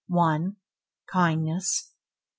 Kindness 2.